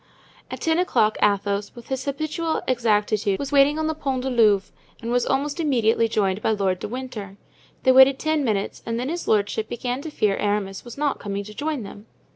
At ten o'clock Athos, with his habitual exactitude, was waiting on the Pont du Louvre and was almost immediately joined by Lord de Winter. They waited ten minutes and then his lordship began to fear Aramis was not coming to join them.